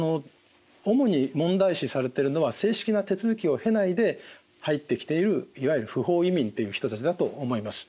主に問題視されてるのは正式な手続きを経ないで入ってきているいわゆる不法移民という人たちだと思います。